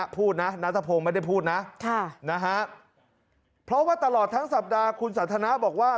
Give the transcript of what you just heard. เพราะว่าตลอดทั้งสัปดาห์คุณสันทนะบอกว่า